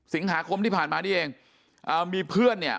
สิงหาคมที่ผ่านมานี่เองอ่ามีเพื่อนเนี่ย